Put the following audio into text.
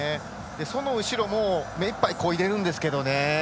その後ろも目いっぱいこいでるんですけどね。